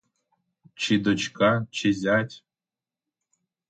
Чи дочка, чи зять?